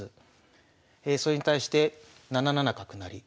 それに対して７七角成。